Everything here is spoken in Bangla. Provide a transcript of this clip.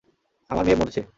আমার মেয়ে মরেছে।